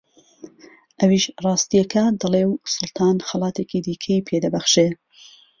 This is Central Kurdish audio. ئەویش ڕاستییەکە دەڵێ و سوڵتان خەڵاتێکی دیکەی پێ دەبەخشێ